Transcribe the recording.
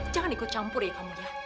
jangan ikut campur ya kamu ya